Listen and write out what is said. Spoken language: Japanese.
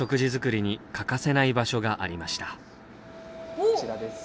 こちらです。